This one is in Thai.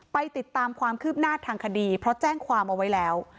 ไปติดตามความคืบหน้าทางคดีเพราะแจ้งความเอาไว้แล้ว